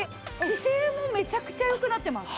姿勢もめちゃくちゃ良くなってます。